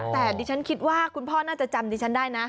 แต่ดิฉันคิดว่าคุณพ่อน่าจะจำดิฉันได้นะ